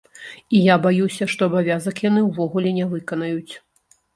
І я баюся, што абавязак яны ўвогуле не выканаюць.